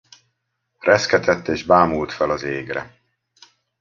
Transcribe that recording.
Reszketett és bámult fel az égre.